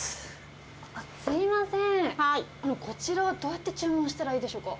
すみません、こちらはどうやって注文したらいいでしょうか。